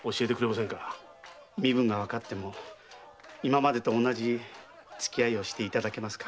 身分がわかっても今までと同じつき合いをしていただけますか？